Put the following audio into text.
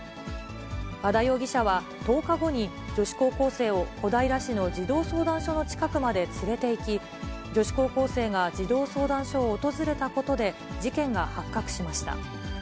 和田容疑者は１０日後に女子高校生を小平市の児童相談所の近くまで連れて行き、女子高校生が児童相談所を訪れたことで、事件が発覚しました。